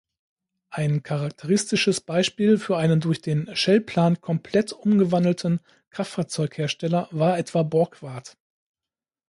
Ein charakteristisches Beispiel für einen durch den Schell-Plan komplett umgewandelten Kraftfahrzeughersteller war etwa Borgward.